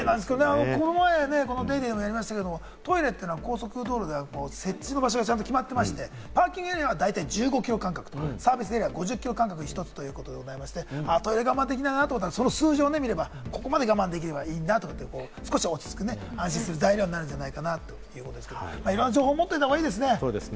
この前『ＤａｙＤａｙ．』でもやりましたけれども、トイレっていうのは高速道路だと、設置の場所がちゃんと決まってまして、パーキングエリアは１５キロ間隔、サービスエリアは５０キロ間隔ということでして、トイレ我慢できないなと思ったら、その数字を見れば、ここまで我慢できればいいなと、少し落ち着く、安心する材料になるんじゃないかということで、いろんな情報を持っておいた方がいいですね。